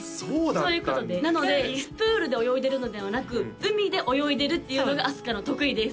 そういうことですなのでプールで泳いでるのではなく海で泳いでるっていうのがあすかの得意です！